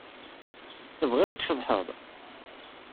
Tebɣiḍ ad tceḍḥeḍ?